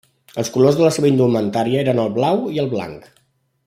Els colors de la seva indumentària eren el blau i el blanc.